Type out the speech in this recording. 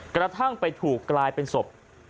กระทั่งไปถูกกลายเป็นศพ